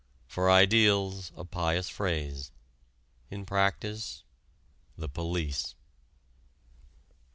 For ideals, a pious phrase; in practice, the police.